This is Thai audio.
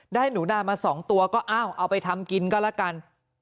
ได้หนูนามาสองตัวก็เอาไปทำกินก็แล้วกัน